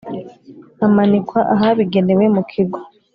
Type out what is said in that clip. amanikwa ahabigenewe mu kigo